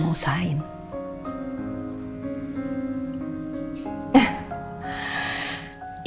ya kalau bisa sih noh